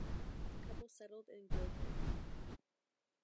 The couple settled in Govan.